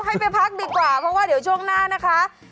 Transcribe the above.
ให้ไปพักดีกว่าเพราะว่าเดี๋ยวช่วงหน้านะคะ